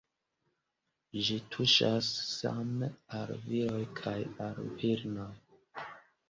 Ĝi tuŝas same al viroj kaj al virinoj.